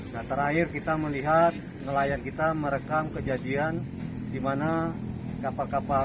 nah terakhir kita melihat nelayan kita merekam kejadian di mana kapal kapal